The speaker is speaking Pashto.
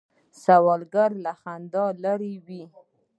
سوالګر له خندا لرې وي